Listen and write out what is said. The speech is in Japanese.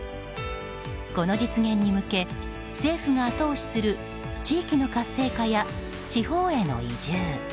この実現に向け政府が後押しする地域の活性化や地方への移住。